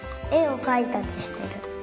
えをかいたりしてる。